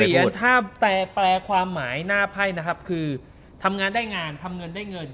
แปลความหมายหน้าไพ่นะครับคือทำงานได้งานทำเงินได้เงิน